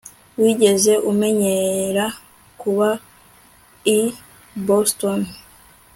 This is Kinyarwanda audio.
wigeze umenyera kuba i boston